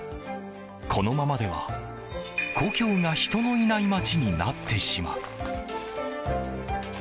このままでは故郷が人のいない町になってしまう。